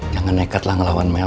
jangan nekat lah ngelawan mel